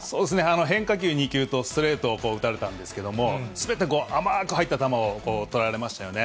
変化球２球とストレートを打たれたんですけれども、すべて甘く入った球を捉えられましたよね。